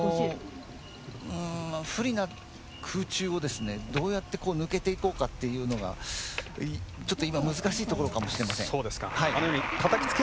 不利な空中をどうやって抜けていこうかっていうのがちょっと、今難しいところかもしれません。